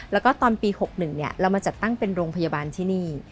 แล้วก็ตอนปี๖๑เรามาจัดตั้งเป็นโรงพยาบาลที่นี่